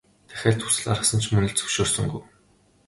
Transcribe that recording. Дахиад хүсэлт гаргасан ч мөн л зөвшөөрсөнгүй.